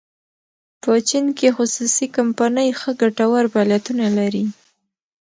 په چین کې خصوصي کمپنۍ ښه ګټور فعالیتونه لري.